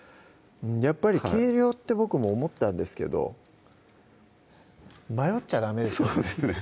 やっぱり計量って僕も思ったんですけど迷っちゃダメですよね